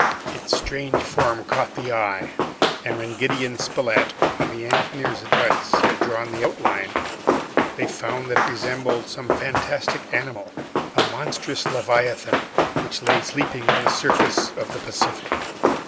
Its strange form caught the eye, and when Gideon Spilett, on the engineer's advice, had drawn the outline, they found that it resembled some fantastic animal, a monstrous leviathan, which lay sleeping on the surface of the Pacific.